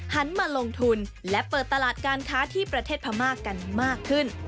หันมาลงทุนและเปิดตลาดการค้าที่ประเทศพม่ากันมากขึ้น